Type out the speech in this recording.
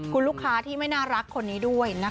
คุณลูกค้าที่ไม่น่ารักคนนี้ด้วยนะคะ